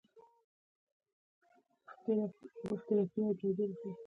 شاګردان دې د دې درس اصلي مطلب ولیکي.